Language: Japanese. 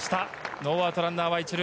ノーアウトランナーは１塁。